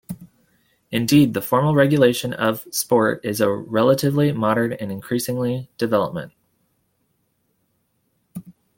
Indeed, the formal regulation of sport is a relatively modern and increasing development.